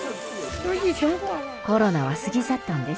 コロナは過ぎ去ったんです。